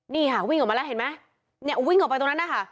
นี่ค่ะวิ่งออกมาแล้วเห็นไหมเนี่ยวิ่งออกไปตรงนั้นนะคะ